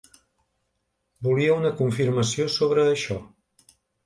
Volia una confirmació sobre això.